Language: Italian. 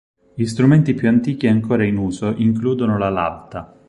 Gli strumenti più antichi ancora in uso includono la "lavta".